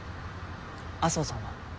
麻生さんは？